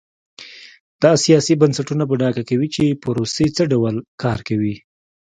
دا سیاسي بنسټونه په ډاګه کوي چې پروسې څه ډول کار کوي.